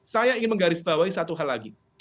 saya ingin menggarisbawahi satu hal lagi